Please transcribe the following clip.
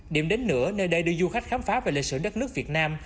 điểm đến nữa nơi đây đưa du khách khám phá về lịch sử đất nước việt nam